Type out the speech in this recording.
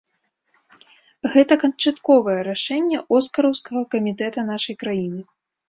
Гэта канчатковае рашэнне оскараўскага камітэта нашай краіны.